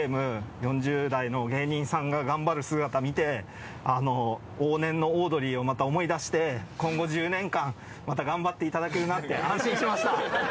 ４０代の芸人さんが頑張る姿見て往年のオードリーをまた思い出して今後１０年間また頑張っていただけるなって安心しました。